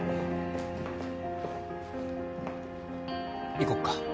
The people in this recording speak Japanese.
行こっか。